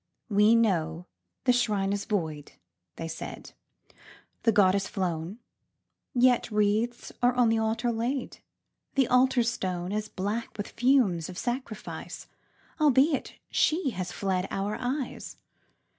"We know the Shrine is void," they said, "The Goddess flown Yet wreaths are on the Altar laid The Altar Stone Is black with fumes of sacrifice, Albeit She has fled our eyes.